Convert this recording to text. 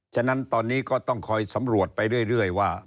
ฉะนั้นตอนนี้ก็ต้องคอยสำรวจไปเรื่อยว่า